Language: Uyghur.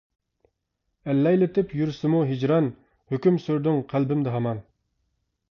ئەللەيلىتىپ يۈرسىمۇ ھىجران، ھۆكۈم سۈردۈڭ قەلبىمدە ھامان.